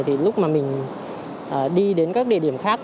thì lúc mà mình đi đến các địa điểm khác